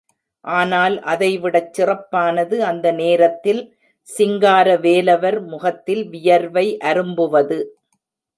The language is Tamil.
ஆனால் அதை விடச் சிறப்பானது, அந்த நேரத்தில் சிங்கார வேலவர் முகத்தில் வியர்வை அரும்புவது.